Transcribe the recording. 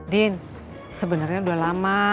din sebenarnya udah lama